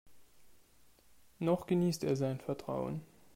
Noch genießt er sein Vertrauen.